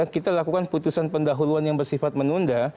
kita lakukan putusan pendahuluan yang bersifat menunda